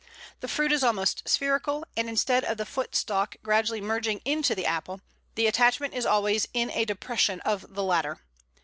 The fruit is almost spherical, and instead of the foot stalk gradually merging into the apple, the attachment is always in a depression of the latter.